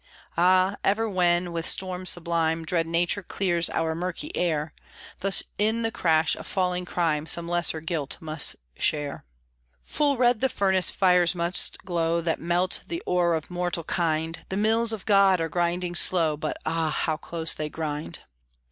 Ah, ever when with storm sublime Dread Nature clears our murky air, Thus in the crash of falling crime Some lesser guilt must share. Full red the furnace fires must glow That melt the ore of mortal kind; The mills of God are grinding slow, But ah, how close they grind!